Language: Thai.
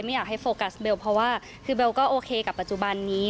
ไม่อยากให้โฟกัสเบลเพราะว่าคือเบลก็โอเคกับปัจจุบันนี้